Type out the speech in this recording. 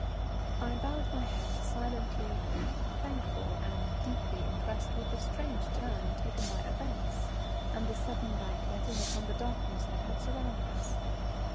I bowed my head silently, thankful and deeply impressed with the strange turn taken by events and the sudden light let in upon the darkness that had surrounded us.